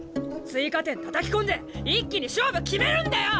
追加点たたき込んで一気に勝負決めるんだよ！